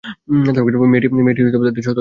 মেয়েটি তাদের সতর্ক করে দিয়েছে।